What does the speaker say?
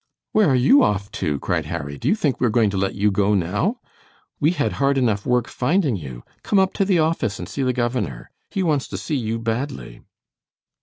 "Where are you off to?" cried Harry; "do you think we are going to let you go now? We had hard enough work finding you. Come up to the office and see the governor. He wants to see you badly."